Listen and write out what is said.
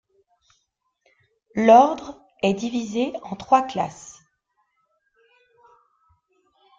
L'Ordre est divisé en trois classes.